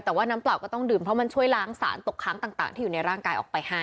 แต่ว่าน้ำเปล่าก็ต้องดื่มเพราะมันช่วยล้างสารตกค้างต่างที่อยู่ในร่างกายออกไปให้